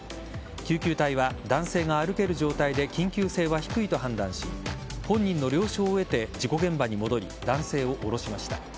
救急隊は男性が歩ける状態で緊急性は低いと判断し本人の了承を得て事故現場に戻り男性を降ろしました。